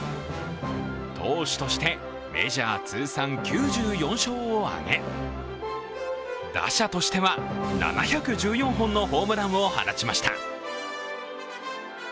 投手としてメジャー通算９４勝を挙げ打者としては７１４本のホームランを放ちました。